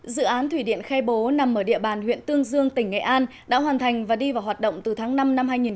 dự án thủy điện khe bố nằm ở địa bàn huyện tương dương tỉnh nghệ an đã hoàn thành và đi vào hoạt động từ tháng năm năm hai nghìn một mươi